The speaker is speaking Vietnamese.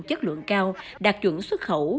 chất lượng cao đạt chuẩn xuất khẩu